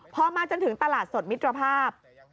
พอมาจนถึงตลาดสดมิตรภาพ